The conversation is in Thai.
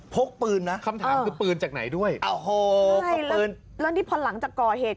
กปืนนะคำถามคือปืนจากไหนด้วยโอ้โหพกปืนแล้วนี่พอหลังจากก่อเหตุ